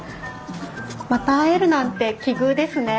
また会えるなんて奇遇ですね。